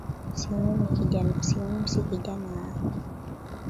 Simiyu si kijana wake